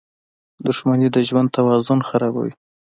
• دښمني د ژوند توازن خرابوي.